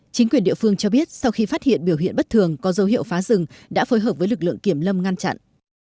chính quyền địa phương cho biết sau khi phát hiện biểu hiện bất thường có dấu hiệu phá rừng đã phối hợp với lực lượng kiểm lâm ngăn chặn